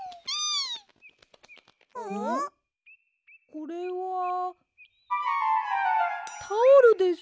これはタオルです。